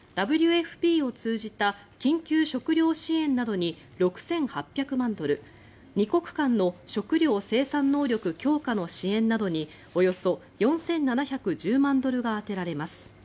ＷＦＰを通じた緊急食料支援などに６８００万ドル２国間の食料生産能力強化の支援などにおよそ４７１０万ドルが充てられます。